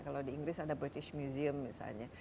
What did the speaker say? kalau di inggris ada british museum misalnya